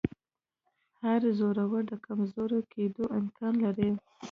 هر زورور د کمزوري کېدو امکان لري